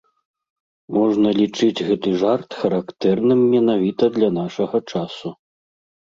Можна лічыць гэты жарт характэрным менавіта для нашага часу.